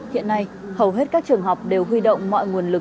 hiện nay hầu hết các trường học đều huy động mọi nguồn lực